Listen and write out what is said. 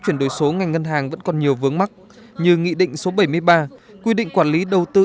chuyển đổi số ngành ngân hàng vẫn còn nhiều vướng mắt như nghị định số bảy mươi ba quy định quản lý đầu tư